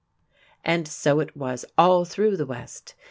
And so it was all through the west.